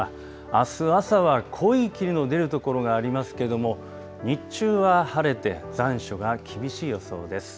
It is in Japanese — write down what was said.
あす朝は濃い霧の出る所がありますけれども日中は晴れて残暑が厳しい予想です。